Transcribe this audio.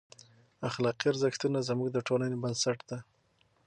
اخلاقي ارزښتونه زموږ د ټولنې بنسټ دی.